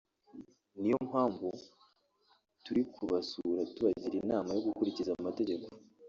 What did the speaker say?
ni yo mpamvu turi kubasura tubagira inama yo gukurikiza amategeko